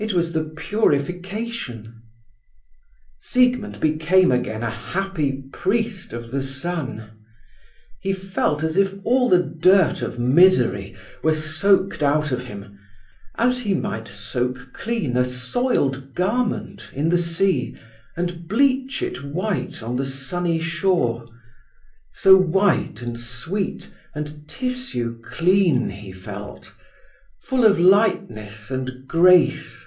It was the purification. Siegmund became again a happy priest of the sun. He felt as if all the dirt of misery were soaked out of him, as he might soak clean a soiled garment in the sea, and bleach it white on the sunny shore. So white and sweet and tissue clean he felt—full of lightness and grace.